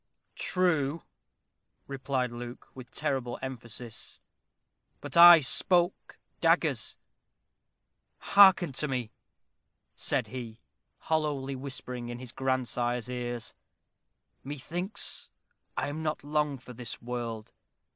"True," replied Luke, with terrible emphasis, "but I spoke daggers. Hearken to me," said he, hollowly whispering in his grandsire's ears. "Methinks I am not long for this world.